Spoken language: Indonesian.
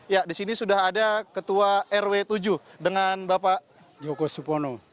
ya di sini sudah ada ketua rw tujuh dengan bapak joko supono